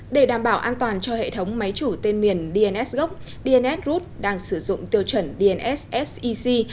để đảm bảo an toàn cho hệ thống máy chủ tên miền dns gốc dns group đang sử dụng tiêu chuẩn dnssec